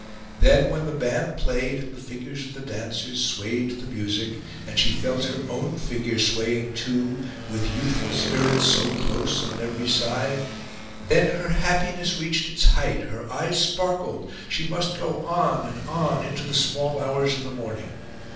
Then, when the band played, and the figures of the dancers swayed to the music, and she felt her own figure swaying too, with youthful spirits so close on every side then her happiness reached its height, her eyes sparkled, she must go on and on into the small hours of the morning.